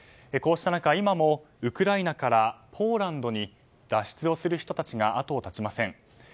こうした中、今もウクライナからポーランドに脱出する人たちがあとを絶ちません。